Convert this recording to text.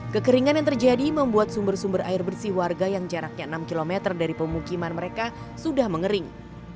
kekeringan yang terjadi membuat sumber sumber air bersih warga yang jaraknya enam km dari pemukiman mereka sudah mengering